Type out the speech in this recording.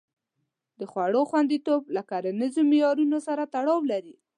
د خوړو خوندیتوب له کرنیزو معیارونو سره تړاو لري.